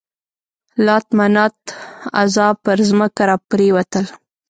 لات، منات، عزا پر ځمکه را پرېوتل.